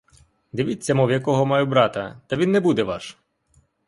Дивіться, мов, якого маю брата, та він не буде ваш!